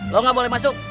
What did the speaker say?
lo gak boleh masuk